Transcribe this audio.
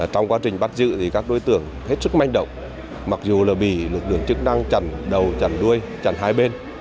trong quá trình bắt giữ thì các đối tượng hết sức manh động mặc dù là bị lực lượng chức năng chẳng đầu chẳng đuôi chẳng hai bên